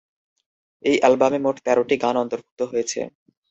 এই অ্যালবামে মোট তেরোটি গান অন্তর্ভুক্ত হয়েছে।